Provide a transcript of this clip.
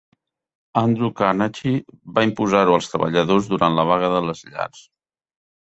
Andrew Carnegie va imposar-ho als treballadors durant la Vaga de les Llars.